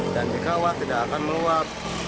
dan di kawah tidak akan meluap